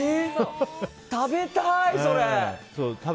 食べたい、それ！